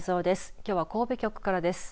きょうは神戸局からです。